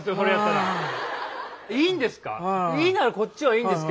いいんですか？